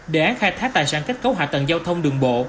đề án khai thác tài sản kết cấu hạ tầng giao thông đường bộ